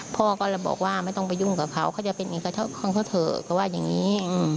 พ่อก็เลยบอกว่าไม่ต้องไปยุ่งกับเขาเขาจะเป็นของเขาเถอะเขาว่าอย่างนี้